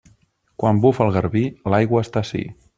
Quan bufa el garbí, l'aigua està ací.